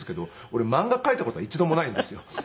俺漫画描いた事は一度もないんですよ。